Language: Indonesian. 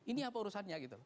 ini apa urusannya gitu